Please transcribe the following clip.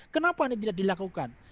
kenapa ini tidak dilakukan